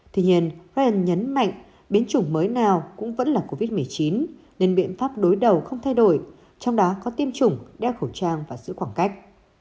tuy nhiên frean nhấn mạnh biến chủng mới nào cũng vẫn là covid một mươi chín nên biện pháp đối đầu không thay đổi trong đó có tiêm chủng đeo khẩu trang và giữ khoảng cách